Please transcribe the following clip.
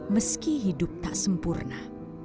meski hidup tak sempurna